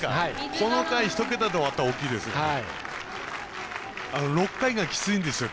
この回、一桁で終わったら大きいですよね。